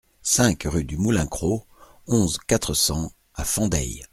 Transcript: cinq rue du Moulin Cros, onze, quatre cents à Fendeille